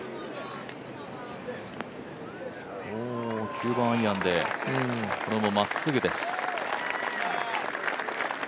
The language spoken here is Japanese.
９番アイアンで、これもまっすぐです。